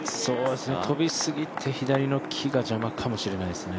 飛びすぎて、左の木が邪魔かもしれないですね。